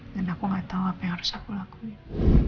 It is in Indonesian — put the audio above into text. dan aku gak tau apa yang harus aku lakuin